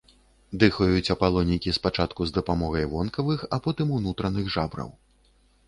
Дыхаюць апалонікі спачатку з дапамогай вонкавых, а потым унутраных жабраў.